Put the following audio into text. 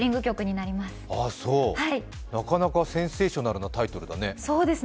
なかなかセンセーショナルなタイトルですね。